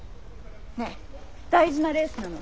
ねえ大事なレースなの。